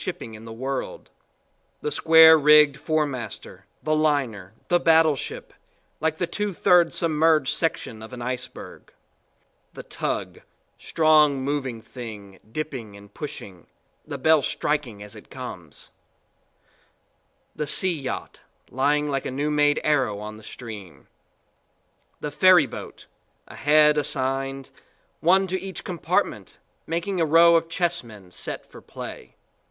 shipping in the world: the square rigged four master, the liner, the battleship, like the two thirds submerged section of an iceberg; the tug strong moving thing, dipping and pushing, the bell striking as it comes; the steam yacht, lying like a new made arrow on the stream; the ferry boat a head assigned, one to each compartment, making a row of chessmen set for play.